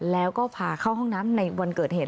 แล้วก็พาเข้าห้องน้ำในวันเกิดเหตุ